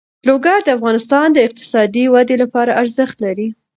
لوگر د افغانستان د اقتصادي ودې لپاره ارزښت لري.